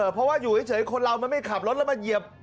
เพราะว่าอยู่เฉยคนเรามันไม่ขับรถแล้วมาเหยียบ